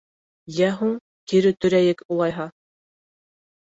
— Йә һуң, кире төрәйек, улайһа.